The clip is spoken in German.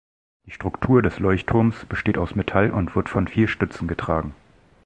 Die Struktur des Leuchtturms besteht aus Metall und wird von vier Stützen getragen.